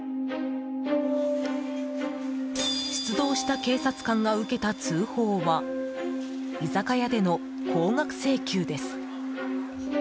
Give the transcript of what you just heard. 出動した警察官が受けた通報は居酒屋での高額請求です。